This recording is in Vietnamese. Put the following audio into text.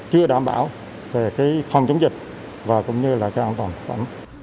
chưa đảm bảo về cái phòng chống dịch và cũng như là cái an toàn thực phẩm